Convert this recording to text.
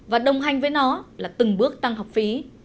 và đồng hành với nó là từng bước tăng học phí